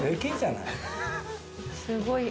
すごい。